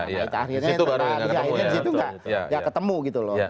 nah akhirnya di situ gak ketemu gitu loh